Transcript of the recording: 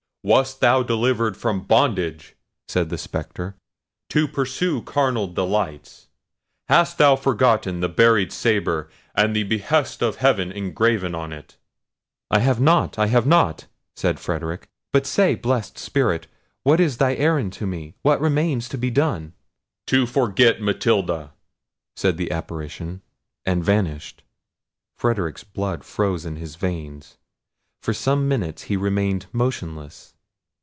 "Wast thou delivered from bondage," said the spectre, "to pursue carnal delights? Hast thou forgotten the buried sabre, and the behest of Heaven engraven on it?" "I have not, I have not," said Frederic; "but say, blest spirit, what is thy errand to me? What remains to be done?" "To forget Matilda!" said the apparition; and vanished. Frederic's blood froze in his veins. For some minutes he remained motionless.